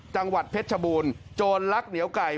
จังหวัดเพชรชบูรณ์โจรลักเหนียวไก่